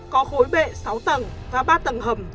có khối bệ sáu tầng và ba tầng hầm